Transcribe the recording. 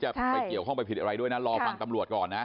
ไปเกี่ยวข้องไปผิดอะไรด้วยนะรอฟังตำรวจก่อนนะ